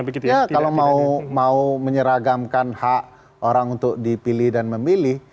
kalau mau menyeragamkan hak orang untuk dipilih dan memilih